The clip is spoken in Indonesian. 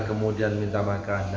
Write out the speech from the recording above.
kemudian minta makan